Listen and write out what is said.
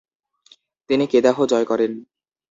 তিনি কেদাহ জয় করেন।